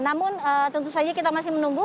namun tentu saja kita masih menunggu